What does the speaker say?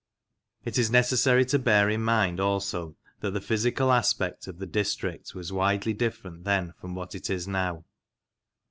It is necessary to bear in mind, also, that the physical aspect of the district was widely different then from what it is now.